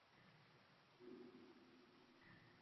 Sen g‘irt xudbinsan.